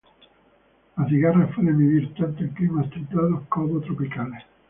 Las cigarras pueden vivir tanto en climas templados como tropicales.